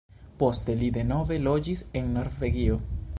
Poste li denove loĝis en Norvegio.